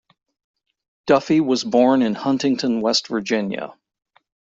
Duffey was born in Huntington, West Virginia.